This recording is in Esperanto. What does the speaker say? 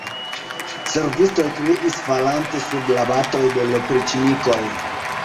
Servistoj kriis, falante sub la batoj de l' opriĉnikoj.